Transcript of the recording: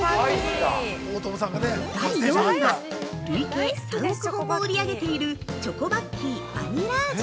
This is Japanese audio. ◆第４位は、累計３億本も売り上げているチョコバッキーバニラ味。